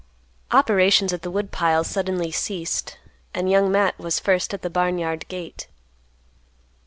Operations at the woodpile suddenly ceased and Young Matt was first at the barn yard gate.